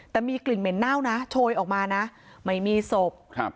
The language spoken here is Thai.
แต่มีกลิ่นเหม็นเน่านะโชยออกมานะไม่มีศพครับ